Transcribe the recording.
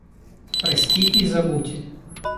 Прости и забудь.